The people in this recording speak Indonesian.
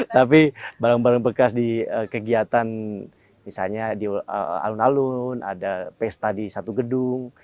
tapi barang barang bekas di kegiatan misalnya di alun alun ada pesta di satu gedung